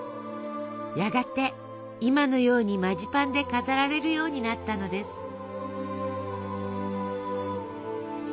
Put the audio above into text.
やがて今のようにマジパンで飾られるようになったのです。